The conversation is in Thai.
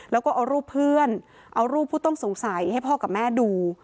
แล้วก็เอารูปเพื่อนเอารูปผู้ต้องสงสัยให้พ่อกับแม่ดู